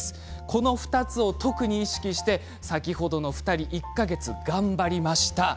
この２つを特に意識して先ほどの２人１か月頑張りました。